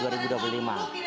apa yang kita inginkan